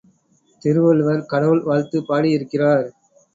திருவள்ளுவர் கடவுள் வாழ்த்துப் பாடியிருக்கிறார்.